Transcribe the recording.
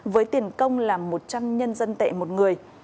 với tiền công là một trăm linh nhân dân tệ một người